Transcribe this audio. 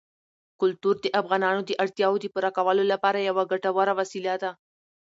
کلتور د افغانانو د اړتیاوو د پوره کولو لپاره یوه ګټوره وسیله ده.